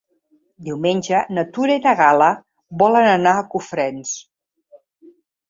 Diumenge na Tura i na Gal·la volen anar a Cofrents.